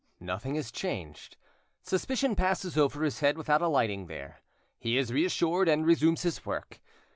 Nothing has changed; suspicion passes over his head without alighting there. He is reassured, and resumes his work.